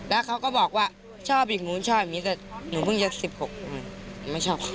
แล้วเค้าก็บอกว่าชอบอย่างนู้นชอบอย่างนี้ตัวหนูเพิ่งเกือบสิบหก